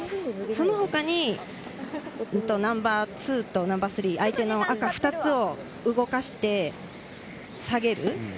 そのほかにナンバーツーとナンバースリー相手の赤２つを動かして、下げる。